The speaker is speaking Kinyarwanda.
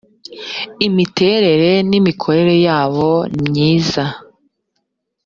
imiterere n’imikorere yabo nimyiza.